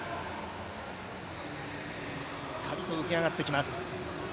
しっかりと浮き上がってきます。